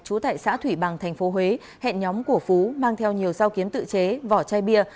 trú tại xã thủy bằng tp huế hẹn nhóm của phú mang theo nhiều sao kiếm tự chế vỏ chai bia